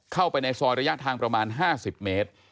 เข้าไปในซอยระยะทางประมาณ๕๐เมตร